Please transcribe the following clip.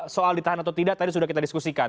soal ditahan atau tidak tadi sudah kita diskusikan